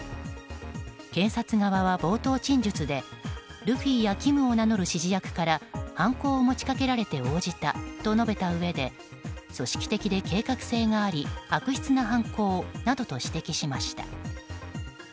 検察側は、冒頭陳述でルフィやキムを名乗る指示役から犯行を持ちかけられて応じたと述べたうえで組織的で計画性があり悪質な犯行などと指摘しました。